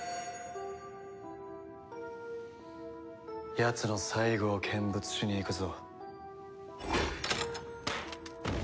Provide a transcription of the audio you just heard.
やつの最期を見物しに行くぞ。